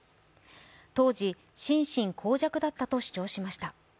当時、心神耗弱だったと主張しました。